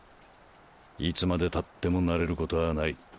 いつまでたっても慣れることはない。